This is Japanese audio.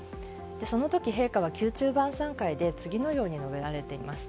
その時、陛下は宮中晩餐会で次のように述べられています。